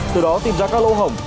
từ đó tìm ra các lỗ hồng